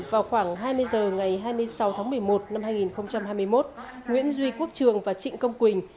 vào khoảng hai mươi h ngày hai mươi sáu tháng một mươi một năm hai nghìn hai mươi một nguyễn duy quốc trường và trịnh công quỳnh